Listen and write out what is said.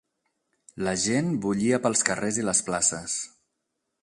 La gent bullia pels carrers i les places.